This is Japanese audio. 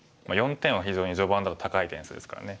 ４点は非常に序盤だと高い点数ですからね。